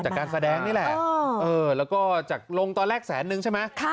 จากการแสดงนี่แหละแล้วก็จากลงตอนแรกแสนนึงใช่ไหม